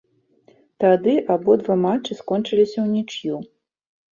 Тады абодва матчы скончыліся ўнічыю.